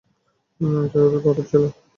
এটাই ওদের প্রাপ্য ছিল।